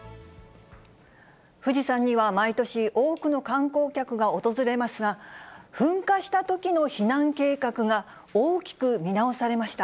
富士山には毎年、多くの観光客が訪れますが、噴火したときの避難計画が大きく見直されました。